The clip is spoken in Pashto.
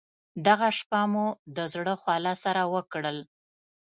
دغه شپه مو د زړه خواله سره وکړل.